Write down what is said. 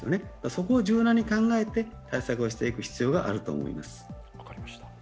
そこを柔軟に考えて対策をしていく必要があると思います。